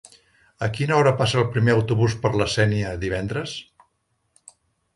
A quina hora passa el primer autobús per la Sénia divendres?